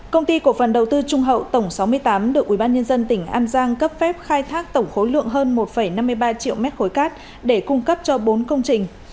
công ty cổ phần đầu tư trung hậu tổng sáu mươi tám được ubnd tỉnh an giang cấp phép khai thác tổng khối lượng hơn một năm mươi ba triệu mét khối cát để cung cấp cho bốn công trình